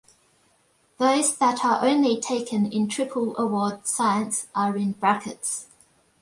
Those that are only taken in Triple Award Science are in brackets.